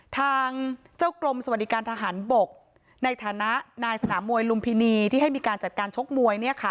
ทางเจ้ากรมสวัสดิการทหารบกในฐานะนายสนามมวยลุมพินีที่ให้มีการจัดการชกมวย